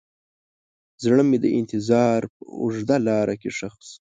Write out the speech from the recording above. زړه مې د انتظار په اوږده لاره کې ښخ شو.